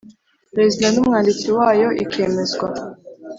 Perezida n umwanditsi wayo ikemezwa